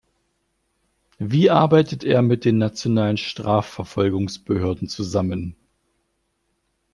Wie arbeitet er mit den nationalen Strafverfolgungsbehörden zusammen?